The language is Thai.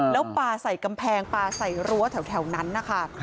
แล้วปลาใส่กำแพงปลาใส่รั้วแถวนั้นนะคะ